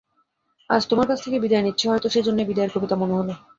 আজ তোমার কাছ থেকে বিদায় নিচ্ছি, হয়তো সেইজন্যেই বিদায়ের কবিতা মনে হল।